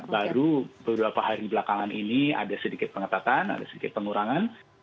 baru beberapa hari belakangan ini ada sedikit pengetatan ada sedikit pengurangan